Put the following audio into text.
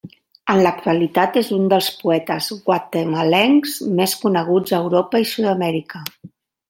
En l'actualitat és un dels poetes guatemalencs més coneguts a Europa i Sud-amèrica.